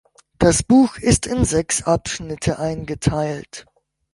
Das Buch ist in sechs Abschnitte eingeteilt.